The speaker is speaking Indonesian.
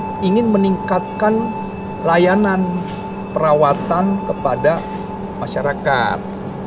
dengan alasan ingin meningkatkan layanan perawatan kepada masyarakat